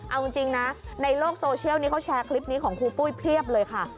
เอาจริงนะในโลกโซเชียลนี้เขาแชร์คลิปนี้ของครูปุ้ยเพียบเลยค่ะ